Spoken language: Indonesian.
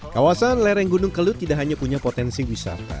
kawasan lereng gunung kelut tidak hanya punya potensi wisata